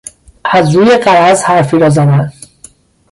از روی غرض حرفی را زدن